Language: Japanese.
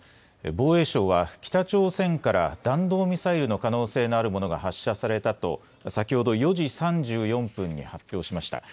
防衛省は北朝鮮から弾道ミサイルの可能性のあるものが発射されたと先ほど４時３４分に発表しました。